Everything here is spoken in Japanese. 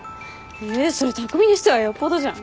えそれ匠にしてはよっぽどじゃん。